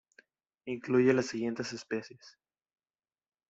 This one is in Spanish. Incluye las siguientes especies